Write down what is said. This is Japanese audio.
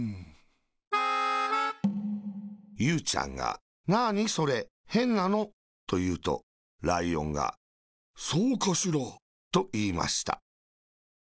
ゆうちゃんが「なーにそれ、へんなの？」というとライオンが「そうかしら。」といいました。